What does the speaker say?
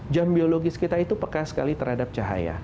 jam biologis kita itu peka sekali terhadap cahaya